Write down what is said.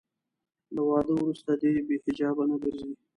له واده وروسته دې بې حجابه نه ګرځي.